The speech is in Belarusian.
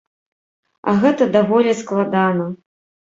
А гэта даволі складана.